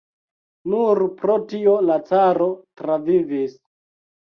Nur pro tio la caro travivis.